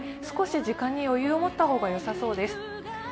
少し時間に余裕を持った方がよさそうです。